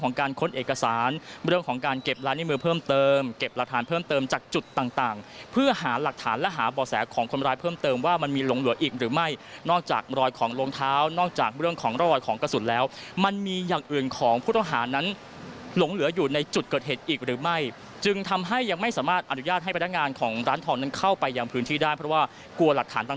เพิ่มเติมจากจุดต่างเพื่อหาหลักฐานและหาบ่อแสของคนร้ายเพิ่มเติมว่ามันมีหลงเหลืออีกหรือไม่นอกจากรอยของโรงเท้านอกจากเรื่องของรอยของกระสุนแล้วมันมีอย่างอื่นของผู้ต่อหานั้นหลงเหลืออยู่ในจุดเกิดเหตุอีกหรือไม่จึงทำให้ยังไม่สามารถอนุญาตให้พนักงานของร้านทองนั้นเข้าไปอย่างพื้นที่ได้เพราะว